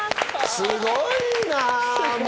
すごいな！